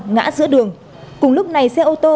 ngã giữa đường cùng lúc này xe ô tô